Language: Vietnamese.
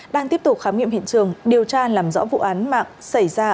đang tiếp tục khám nghiệm hiện trường điều tra làm rõ vụ án mạng xảy ra